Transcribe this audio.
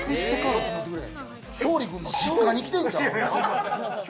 勝利くんの実家に来てるんちゃう？